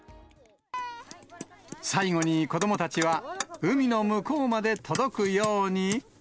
最後に子どもたちは、海の向こうまで届くように。